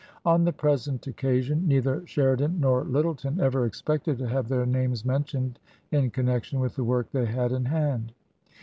On the present occasion neither Sheridan nor Lyttleton ever expected to have their names mentioned in connection with the work they had in hand.